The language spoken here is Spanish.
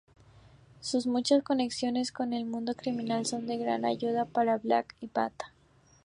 Sus muchas conexiones con el mundo criminal son de gran ayuda para Black Bat.